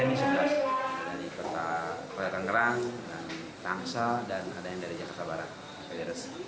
ini kota tangerang dan tangsa dan ada yang dari jakarta barat